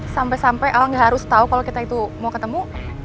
sampai sampai allah gak harus tahu kalau kita itu mau ketemu